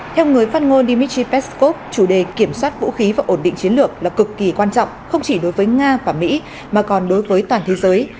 theo người phát ngôn dmitry peskov chủ đề kiểm soát vũ khí và ổn định chiến lược là cực kỳ quan trọng không chỉ đối với nga và mỹ mà còn đối với toàn thế giới